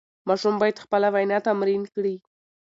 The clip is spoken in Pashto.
ماشوم باید خپله وینا تمرین کړي.